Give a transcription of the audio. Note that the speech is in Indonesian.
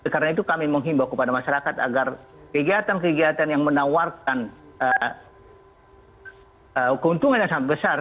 karena itu kami menghimbau kepada masyarakat agar kegiatan kegiatan yang menawarkan keuntungan yang sangat besar